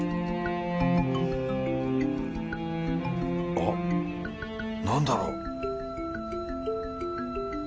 あっ何だろう